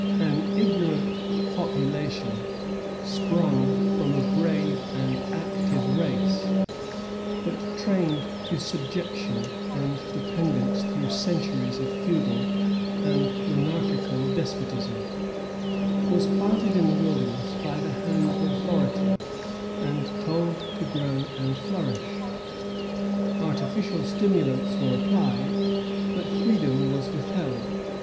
An ignorant popula tion, sprung from a brave and active race, but trained to subjection and dependence through centuries of feudal and monarchical despotism, was planted in the wilderness by the hand of authority, and told to grow and flourish. Artificial stimulante were appUed, but freedom was withheld.